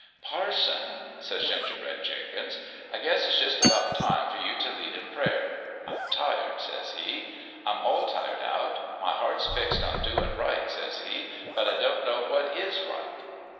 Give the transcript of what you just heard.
"' Parson,' says Gingerbread Jenkins, ' I guess it's jus' about time for you t' lead in prayer. I'm tired,' says he. ' I'm all tired out. My heart's fixed on doin' right,' says he ;' but I don't know what is right.'